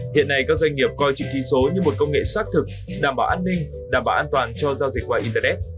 hiện nay các doanh nghiệp coi chữ ký số như một công nghệ xác thực đảm bảo an ninh đảm bảo an toàn cho giao dịch qua internet